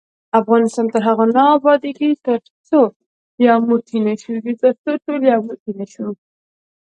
افغانستان تر هغو نه ابادیږي، ترڅو موږ ټول یو موټی نشو.